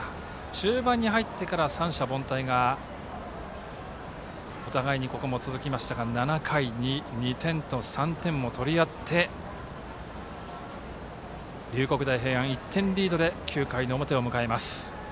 中盤に入ってから三者凡退がお互いに続きましたが７回に２点と３点を取り合って龍谷大平安１点リードで９回表を迎えます。